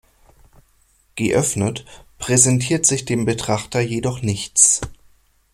Geöffnet präsentiert sich dem Betrachter jedoch nichts.